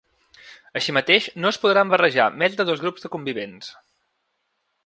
Així mateix, no es podran barrejar més de dos grups de convivents.